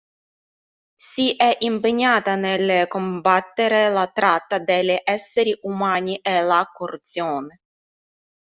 Si è impegnata nel combattere la tratta degli esseri umani e la corruzione.